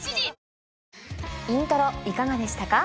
『イントロ』いかがでしたか？